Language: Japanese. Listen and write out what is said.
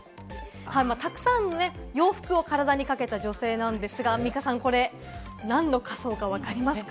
たくさんのね、洋服を体にかけた女性なんですが、アンミカさん、これ何の仮装かわかりますか？